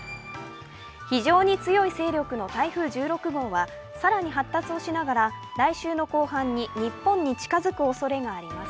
非常に強い勢力の台風１６号は、更に発達をしながら来週の後半に日本に近づくおそれがあります。